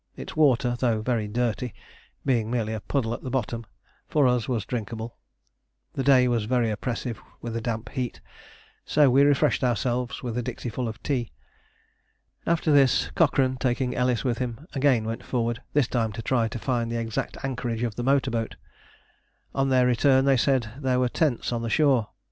Its water, though very dirty, being merely a puddle at the bottom, for us was drinkable. The day was very oppressive, with a damp heat, so we refreshed ourselves with a dixieful of tea. After this, Cochrane, taking Ellis with him, again went forward, this time to try to find the exact anchorage of the motor boat. On their return they said there were tents on the shore.